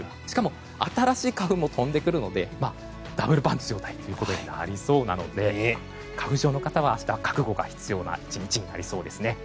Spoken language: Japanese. しかも、新しい花粉も飛んでくるのでダブルパンチ状態ということになりそうなので花粉症の方は明日は覚悟が必要な１日になりそうです。